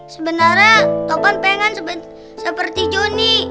sebenarnya topan pengen seperti johnny